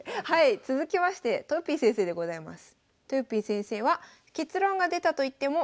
続きましてとよぴー先生でございます。